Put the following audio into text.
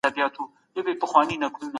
دغه سړی پرون ډېر نېک بخته ښکارېدی.